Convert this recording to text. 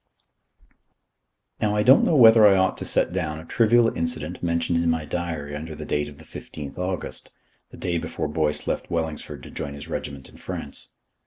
Now I don't know whether I ought to set down a trivial incident mentioned in my diary under the date of the 15th August, the day before Boyce left Wellingsford to join his regiment in France.